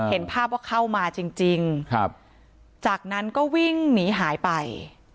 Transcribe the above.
เห็นภาพว่าเข้ามาจริงครับจากนั้นก็วิ่งหนีหายไป